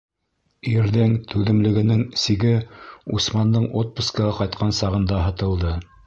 Ирҙең түҙемлегенең сиге Усмандың отпускыға ҡайтҡан сағында һытылды.